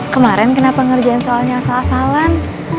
kemarin kenapa ngerjain soalnya asal asalan